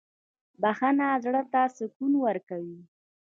• بخښنه زړه ته سکون ورکوي.